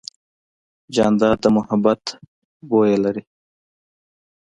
جانداد د محبت بویه لري.